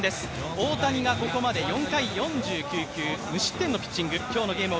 大谷がここまで４回４９球、無失点のピッチング。